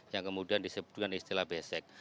yang kemudian disebutkan istilah besek